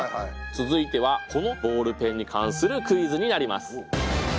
続いてはこのボールペンに関するクイズになります。